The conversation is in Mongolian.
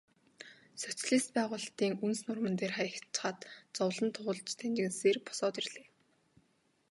Социалист байгуулалтын үнс нурман дээр хаягдчихаад зовлон туулж дэнжгэнэсээр босоод ирлээ.